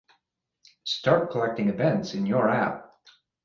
Start collecting events in your app